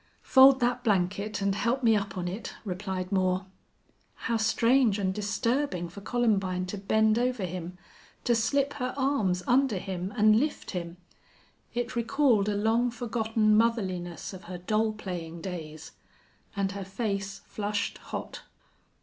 "Fold that blanket and help me up on it," replied Moore. How strange and disturbing for Columbine to bend over him, to slip her arms under him and lift him! It recalled a long forgotten motherliness of her doll playing days. And her face flushed hot.